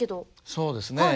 そうですね。